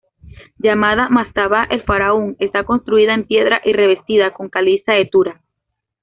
Llamada "Mastaba el-Faraun" está construida en piedra y revestida con caliza de Tura.